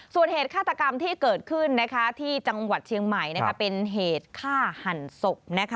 ส่วนเหตุฆาตกรรมที่เกิดขึ้นที่จังหวัดเชียงใหม่เป็นเหตุฆ่าหันศพ